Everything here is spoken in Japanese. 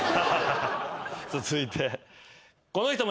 続いて。